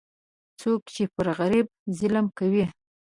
څوک چې پر غریب ظلم کوي،